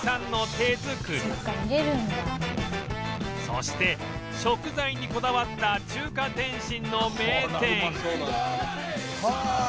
そして食材にこだわった中華点心の名店はあ！